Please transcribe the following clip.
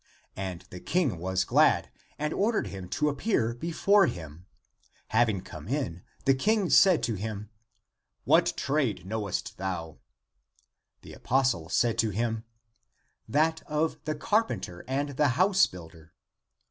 And the King was glad, and ordered him to ap pear before him. Having come in, the King said to him, " What trade knowest thou? " The apostle said to him, " That of the carpenter and the house builder."